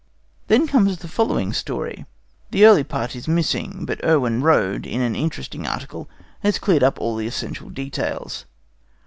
Then comes the following story. The early part is missing, but Erwin Rohde, in an interesting article, has cleared up all the essential details.